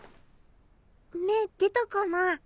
芽出たかな？